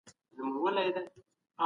د کتاب لوستل د انسان شخصيت ته وده ورکوي.